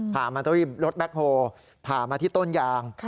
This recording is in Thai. ผ่ามาที่รถแบคโฮผ่ามาที่ต้นยาง